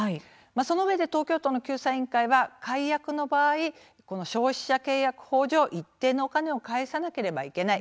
そのうえで東京都の救済委員会は解約の場合、消費者契約法上一定のお金を返さなければいけない。